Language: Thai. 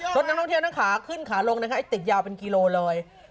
รถนักท่องเที่ยวทั้งขาขึ้นขาลงนะคะติดยาวเป็นกิโลเลย